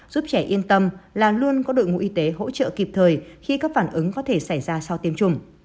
giúp trẻ yên tâm là luôn có đội ngũ y tế hỗ trợ kịp thời khi các phản ứng có thể xảy ra sau tiêm chủng